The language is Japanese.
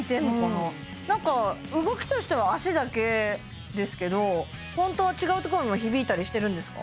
動きとしては足だけですけど本当は違うところにも響いたりしてるんですか？